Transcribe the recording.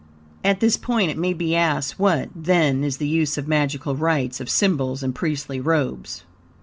At this point it may be asked, what, then, is the use of magical rites, of symbols and priestly robes?